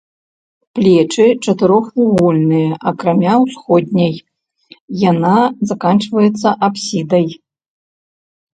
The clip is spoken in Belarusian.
Плечы чатырохвугольныя, акрамя ўсходняй, якая заканчваецца апсідай.